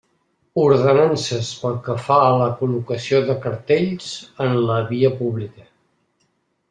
Ordenances pel que fa a la col·locació de cartells en la via pública.